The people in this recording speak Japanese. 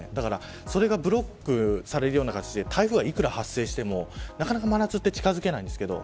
それがブロックされるような形で台風がいくら発生してもなかなか真夏は近づけないんですけど